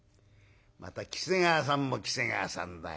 また喜瀬川さんも喜瀬川さんだよ。